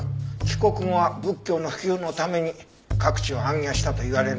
帰国後は仏教の普及のために各地を行脚したといわれるね。